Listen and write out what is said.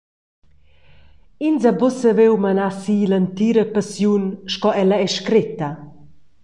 Ins ha buca saviu menar si l’entira Passiun sco ella ei scretta.